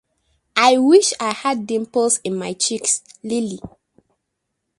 I wish I had dimples in my cheeks, Lilly.